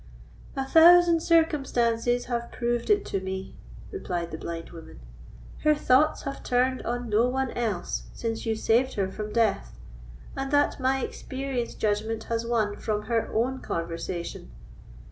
"A thousand circumstances have proved it to me," replied the blind woman. "Her thoughts have turned on no one else since you saved her from death, and that my experienced judgment has won from her own conversation.